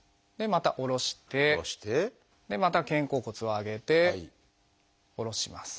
また下ろしてでまた肩甲骨を上げて下ろします。